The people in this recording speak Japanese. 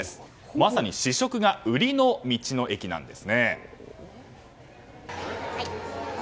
まさに試食が売りの道の駅です。